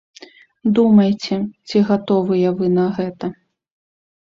Думайце, ці гатовыя вы на гэта.